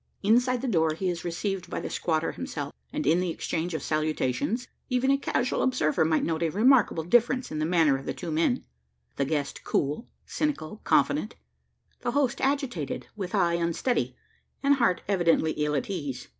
Inside the door he is received by the squatter himself; and in the exchange of salutations, even a casual observer might note a remarkable difference in the manner of the two men; the guest cool, cynical, confident the host agitated, with eye unsteady, and heart evidently ill at ease.